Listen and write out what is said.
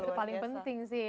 itu paling penting sih